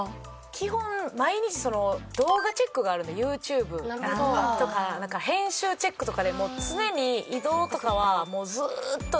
基本毎日動画チェックがあるのでＹｏｕＴｕｂｅとかなんか編集チェックとかで常に移動とかはずーっと誰かと連絡を。